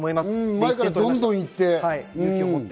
前からどんどん行って。